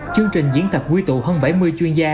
chương trình diễn tập quy tụ hơn bảy mươi chuyên gia